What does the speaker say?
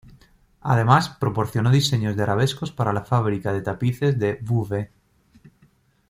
Además, proporcionó diseños de arabescos para la fábrica de tapices de Beauvais.